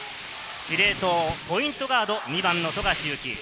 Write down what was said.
司令塔、ポイントガード、２番の富樫勇樹。